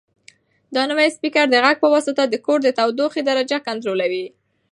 دا نوی سپیکر د غږ په واسطه د کور د تودوخې درجه کنټرولوي.